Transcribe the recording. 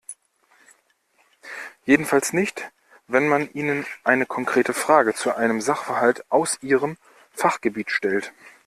Jedenfalls nicht, wenn man ihnen eine konkrete Frage zu einem Sachverhalt aus ihrem Fachgebiet stellt.